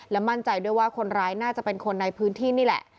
มั่นใจด้วยว่าคนร้ายน่าจะเป็นคนในพื้นที่นี่แหละ